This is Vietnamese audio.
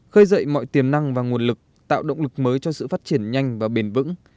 khơi dậy mọi tiềm năng và nguồn lực tạo động lực mới cho sự phát triển nhanh và bền vững